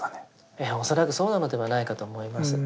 ええ恐らくそうなのではないかと思います。